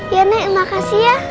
ya nek makasih ya